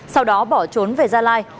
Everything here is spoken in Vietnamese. sau đó bỏ trốn về gia lai